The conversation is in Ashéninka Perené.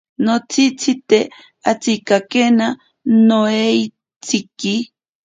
Notsitsite atsikakena noeitsiki.